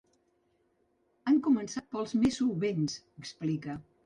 Han començat pels més solvents, explica.